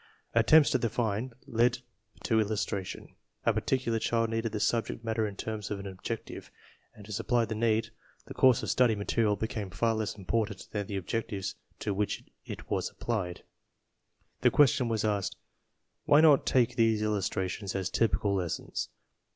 Attempts to define led to illustration. A par ticular child needed the subject matter in terms of an objective, and to supply the need the course of study material became far less important than the objectives to which it was applied. The question was asked, " Why not take these illustrations as typical lessons?"